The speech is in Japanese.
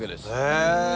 へえ。